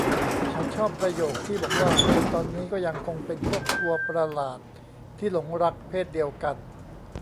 ฉันชอบประโยคที่บอกว่า จนตอนนี้ก็ยังคงเป็นพวกตัวประหลาดที่หลงรักเพศเดียวกัน